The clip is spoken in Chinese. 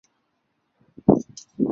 陶望龄为南京礼部尚书陶承学之子。